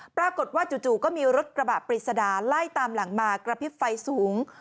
ปรากฏว่าจู่ก็มีรถกระบะปริศดาไล่ตามหลังมากระพริบไฟสูง